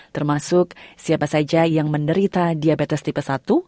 termasuk siapa saja yang menderita diabetes tipe satu